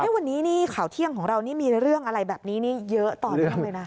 วันนี้นี่ข่าวเที่ยงของเรานี่มีเรื่องอะไรแบบนี้นี่เยอะต่อเนื่องเลยนะ